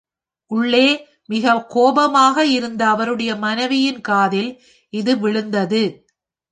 உள்ளே மிகக் கோபமாக இருந்த அவருடைய மனைவியின் காதில் இது விழுந்தது.